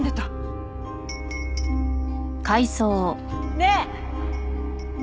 ねえ！